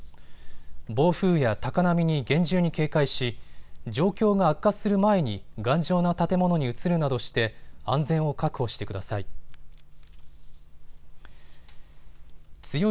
暴風や高波に厳重に警戒し、状況が悪化する前に頑丈な建物に移るなどして安全を確保してください。